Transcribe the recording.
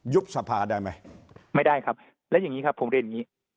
บสภาได้ไหมไม่ได้ครับและอย่างนี้ครับผมเรียนอย่างนี้